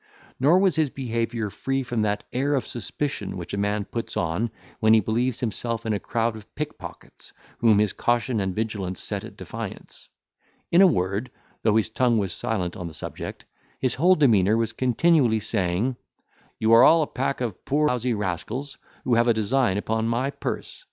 Nor was his behaviour free from that air of suspicion which a man puts on when he believes himself in a crowd of pick pockets, whom his caution and vigilance set at defiance. In a word, though his tongue was silent on the subject, his whole demeanour was continually saying, "You are all a pack of poor lousy rascals, who have a design upon my purse.